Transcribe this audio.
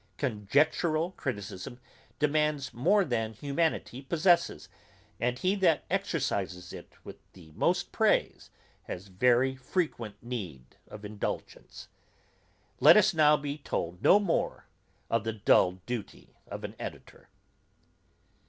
Conjectural criticism demands more than humanity possesses, and he that exercises it with most praise has very frequent need of indulgence. Let us now be told no more of the dull duty of an editor.